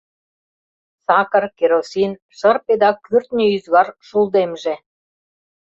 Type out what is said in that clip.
Сакыр, керосин, шырпе да кӱртньӧ ӱзгар шулдемже.